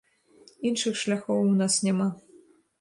Іншых шляхоў у нас няма.